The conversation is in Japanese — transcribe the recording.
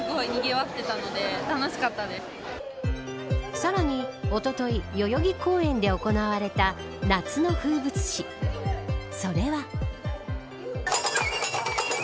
さらに、おととい代々木公園で行われた夏の風物詩それは。